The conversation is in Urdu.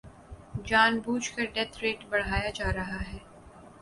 جان بوجھ کر ڈیتھ ریٹ بڑھایا جا رہا ہے